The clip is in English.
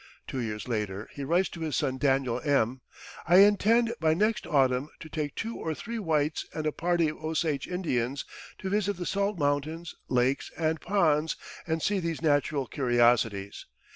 Two years later, he writes to his son Daniel M.: "I intend by next autumn to take two or three whites and a party of Osage Indians to visit the salt mountains, lakes, and ponds and see these natural curiosities.